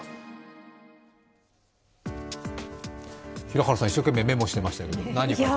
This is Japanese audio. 平原さん、一生懸命メモしていましたけど。